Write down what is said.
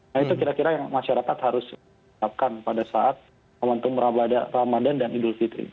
nah itu kira kira yang masyarakat harus tetapkan pada saat momentum ramadan dan idul fitri